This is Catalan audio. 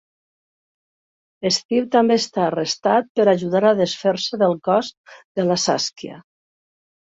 Steve també està arrestat per ajudar a desfer-se del cos de la Saskia.